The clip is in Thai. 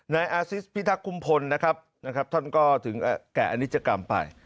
นายอาซิสพิทักษุมพลนะครับท่านก็ถึงแก่อนิจกรรมไป